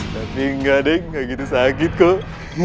tapi enggak deng enggak gitu sakit kok